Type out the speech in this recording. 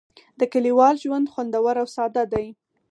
د کلیوال ژوند خوندور او ساده دی.